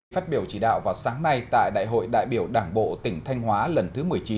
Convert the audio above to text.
phát biểu chỉ đạo vào sáng nay tại đại hội đại biểu đảng bộ tỉnh thanh hóa lần thứ một mươi chín